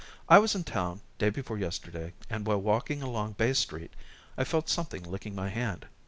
I was in town day before yesterday, and, while walking along Bay Street, I felt something licking my hand.